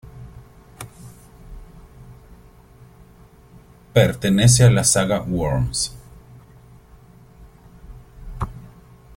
Pertenece a la saga Worms.